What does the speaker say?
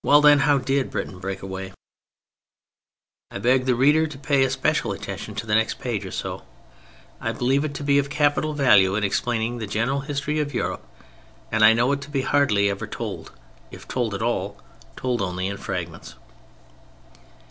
Well, then, how did Britain break away? I beg the reader to pay a special attention to the next page or so. I believe it to be of capital value in explaining the general history of Europe, and I know it to be hardly ever told; or—if told at all—told only in fragments.